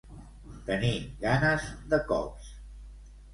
Tenir ganes de cops.